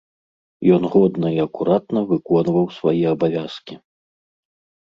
Ён годна і акуратна выконваў свае абавязкі.